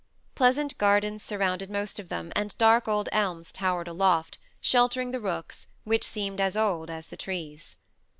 Pleasant gardens surrounded most of them, and dark old elms towered aloft, sheltering the rooks, which seemed as old as the trees.